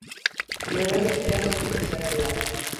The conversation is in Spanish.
Ravel, era su especialidad.